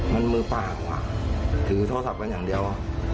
มันมือปากถือโทรศัพท์กันอย่างเดียว